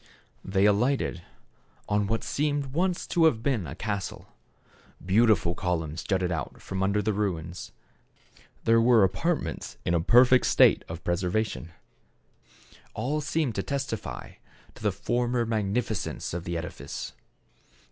THE CAB AVAN. 97 They alighted on what seemed once to have been a castle. Beautiful columns jutted out from under the ruins ; there were apartments in a perfect state of preservation j all seemed to testify to the former mag nificence of the edifice.